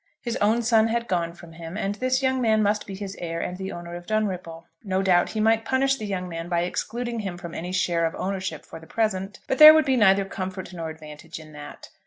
His own son had gone from him, and this young man must be his heir and the owner of Dunripple. No doubt he might punish the young man by excluding him from any share of ownership for the present; but there would be neither comfort nor advantage in that.